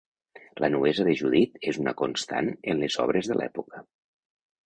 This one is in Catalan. La nuesa de Judit és una constant en les obres de l'època.